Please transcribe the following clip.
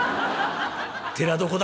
寺どこだ？」。